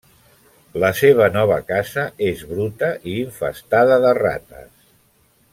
La seva nova casa és bruta i infestada de rates.